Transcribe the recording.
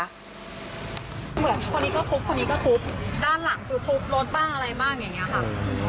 เหมือนคนนี้ก็ทุบคนนี้ก็ทุบด้านหลังคือทุบรถบ้างอะไรบ้างอย่างนี้ค่ะ